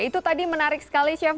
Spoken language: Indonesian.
itu tadi menarik sekali chef